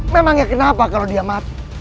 memangnya kenapa kalau dia mati